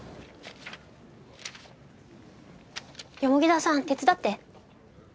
田さん手伝って。